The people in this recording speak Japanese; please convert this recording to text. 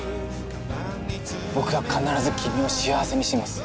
僕が必ず君を幸せにします。